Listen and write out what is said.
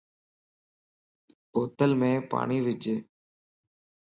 بوتلم پاڻين وج